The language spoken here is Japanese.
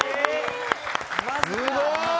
すごい！